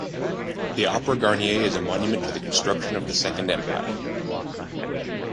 The Opera Garnier is a monument to the construction of the Second Empire.